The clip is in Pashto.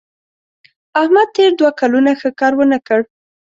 احمد تېر دوه کلونه ښه کار ونه کړ.